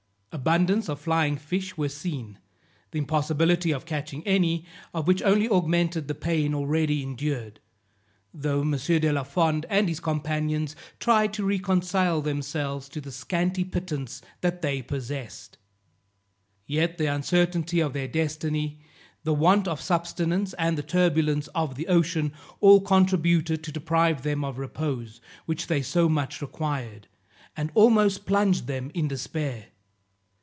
Abundance of flying fish were seen; the impossibility of catching any of which only augmented the pain already endured, though M. de la Fond and his companions tried to reconcile themselves to the scanty pittance that they possessed. Yet the uncertainty of their destiny, the want of subsistence, and the turbulence of the ocean, all contributed to deprive them of repose, which they so much required, and almost plunged them in despair.